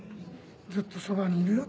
「ずっとそばにいるよ